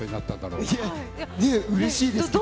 うれしいですけど。